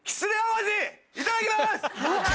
いただきます！